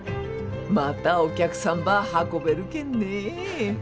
またお客さんば運べるけんね。